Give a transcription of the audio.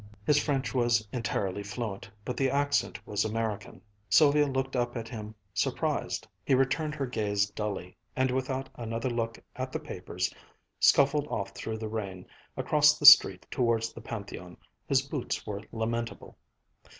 His French was entirely fluent, but the accent was American. Sylvia looked up at him surprised. He returned her gaze dully, and without another look at the papers, scuffled off through the rain, across the street towards the Pantheon. His boots were lamentable.